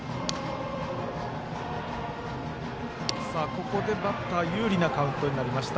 ここでバッター有利なカウントになりました。